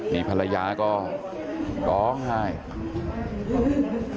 นี่ภรรยาก็ร้องไห้